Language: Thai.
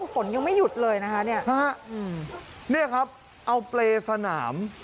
ฝนยังไม่หยุดเลยนะคะเนี่ยฮะเนี่ยครับเอาเปรย์สนาม